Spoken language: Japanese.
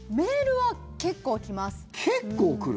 結構来る？